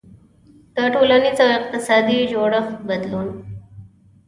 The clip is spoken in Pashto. • د ټولنیز او اقتصادي جوړښت بدلون.